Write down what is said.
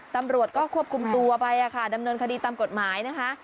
ตำรวจก็ควบคุมตัวไปดำเนินคดีตามกฎหมายนะคะ